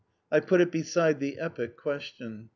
_" I put it beside the Epic Question!